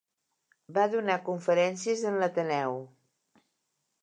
Va donar conferències en l'Ateneu.